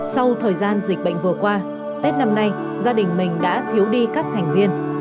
sau thời gian dịch bệnh vừa qua tết năm nay gia đình mình đã thiếu đi các thành viên